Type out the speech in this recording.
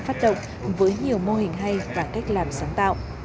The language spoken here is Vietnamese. phát động với nhiều mô hình hay và cách làm sáng tạo